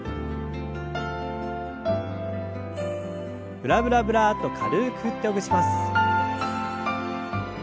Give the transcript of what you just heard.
ブラブラブラッと軽く振ってほぐします。